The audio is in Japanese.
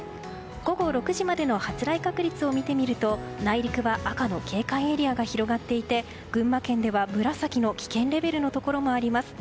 午後６時までの発雷確率を見てみると内陸は赤の警戒エリアが広がっていて群馬県では、紫の危険レベルのところもあります。